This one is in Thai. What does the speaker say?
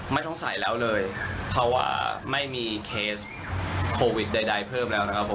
ไม่ต้องใส่แล้วเลยเพราะว่าไม่มีเคสโควิดใดเพิ่มแล้วนะครับผม